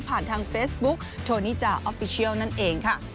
ทางเฟซบุ๊กโทนิจาออฟฟิเชียลนั่นเองค่ะ